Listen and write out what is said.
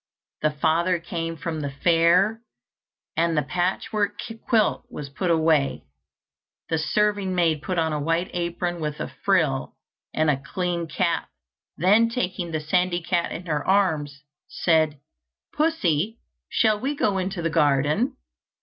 The father came from the fair, and the patchwork quilt was put away. The serving maid put on a white apron with a frill, and a clean cap, then taking the sandy cat in her arms, said, "Pussy, shall we go into the garden?"